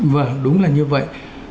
vâng đúng là như vậy